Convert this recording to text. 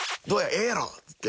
ええやろ？っつって。